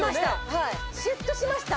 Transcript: はいシュッとしました